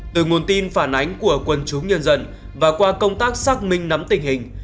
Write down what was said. từ nguồn tin phản ánh của quân chúng nhân dân và qua công tác xác minh nắm tình hình